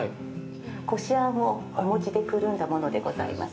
こしあんをお餅でくるんだものでございます。